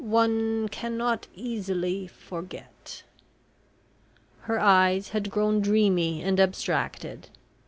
one cannot easily forget..." Her eyes had grown dreamy and abstracted.